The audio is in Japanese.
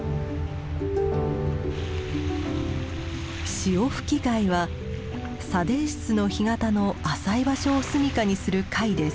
シオフキガイは砂泥質の干潟の浅い場所を住みかにする貝です。